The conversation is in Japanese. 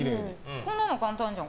こんなの簡単じゃん。